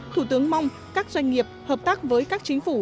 thủ tướng mong các doanh nghiệp hợp tác với các chính phủ